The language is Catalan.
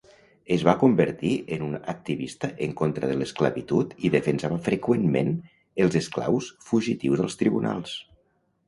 Es va convertir en un activista en contra de l'esclavitud i defensava freqüentment els esclaus fugitius als tribunals.